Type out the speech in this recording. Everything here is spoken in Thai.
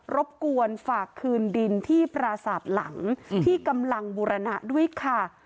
รบกวนฝากคืนดินที่ปราศาสตร์หลังที่กำลังบูรณะด้วยค่ะ